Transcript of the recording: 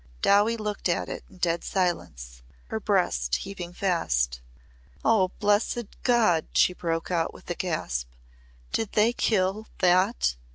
Dowie looked at it in dead silence, her breast heaving fast. "Oh! blessed God!" she broke out with a gasp. "Did they kill that!"